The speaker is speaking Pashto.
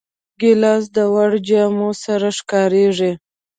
ګیلاس د وړو جامو سره ښکارېږي.